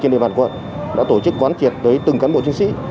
trên địa bàn quận đã tổ chức quán triệt tới từng cán bộ chiến sĩ